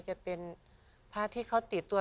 จะเป็นพระที่เขาติดตัว